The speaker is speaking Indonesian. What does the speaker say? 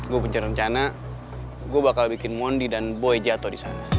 gue punya rencana gue bakal bikin mondi dan boy jatuh di sana